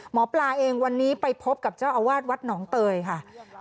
หมอปลาเองวันนี้ไปพบกับเจ้าอาวาสวัดหนองเตยค่ะ